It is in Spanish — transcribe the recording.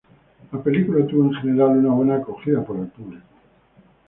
La película tuvo en general una buena acogida por el público.